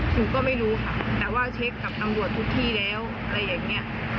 หนูก็ไม่รู้ค่ะแต่ว่าเช็คกับตำรวจทุกที่แล้วอะไรอย่างนี้